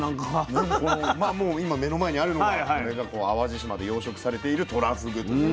このもう今目の前にあるのがこれが淡路島で養殖されているとらふぐという。